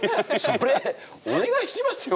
それお願いしますよ